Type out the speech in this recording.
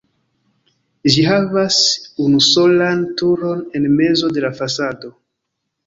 Ĝi havas unusolan turon en mezo de la fasado.